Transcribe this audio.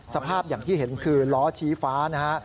สภาพอย่างที่เห็นคือล้อชี้ฟ้านะฮะ